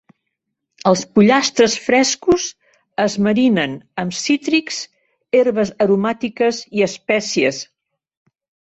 Els pollastres frescos es marinen amb cítrics, herbes aromàtiques i espècies.